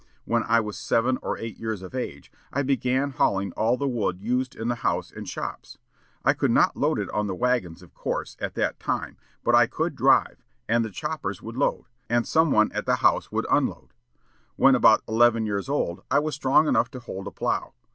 When I was seven or eight years of age, I began hauling all the wood used in the house and shops. I could not load it on the wagons, of course, at that time, but I could drive, and the choppers would load, and some one at the house unload. When about eleven years old, I was strong enough to hold a plough.